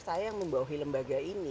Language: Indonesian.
saya yang membawahi lembaga ini